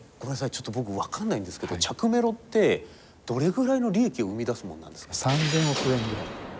ちょっと僕分かんないんですけど着メロってどれぐらいの利益を生み出すもんなんですか？